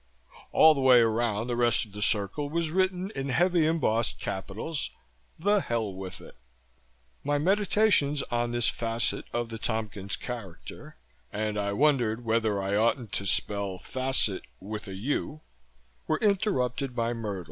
All the way around the rest of the circle was written in heavy embossed capitals, "The Hell With It!" My meditations on this facet of the Tompkins character and I wondered whether I oughtn't to spell 'facet' with a u' were interrupted by Myrtle.